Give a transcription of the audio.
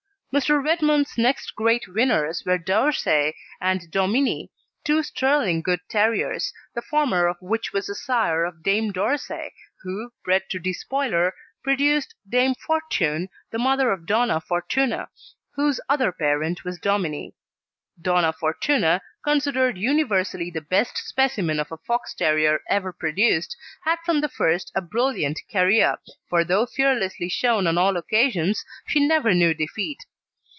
Mr. Redmond's next great winners were D'Orsay and Dominie, two sterling good terriers, the former of which was the sire of Dame D'Orsay, who, bred to Despoiler, produced Dame Fortune, the mother of Donna Fortuna, whose other parent was Dominie. Donna Fortuna, considered universally the best specimen of a Fox terrier ever produced, had from the first a brilliant career, for though fearlessly shown on all occasions she never knew defeat.